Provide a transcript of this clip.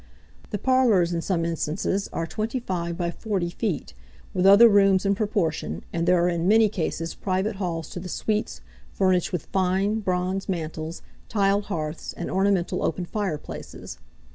The parlors in some instances are 25 by 40 feet, with other rooms in proportion, and there are in many cases private halls to the suites, furnished with fine bronze mantels, tiled hearths, and ornamental open fireplaces.